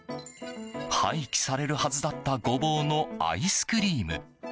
廃棄されるはずだったゴボウのアイスクリーム。